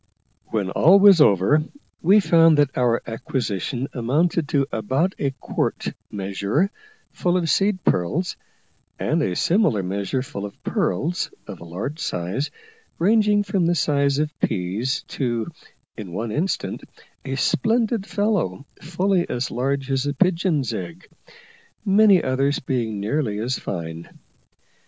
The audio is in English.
When all was over we found that our acquisition amounted to about a quart measure full of seed pearls, and a similar measure full of pearls, of a large size, ranging from the size of peas to, in one instance, a splendid fellow fully as large as a pigeon's egg, many others being nearly as fine.